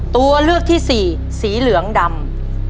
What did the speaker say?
ตัวเลือกที่สี่สีเหลืองดำ